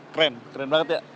keren keren banget ya